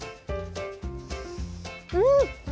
うん！